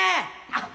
あっ。